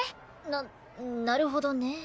ななるほどね。